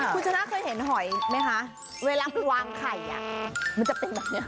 คุณชนะเคยเห็นหอยไหมคะเวลาไปวางไข่มันจะเป็นแบบนี้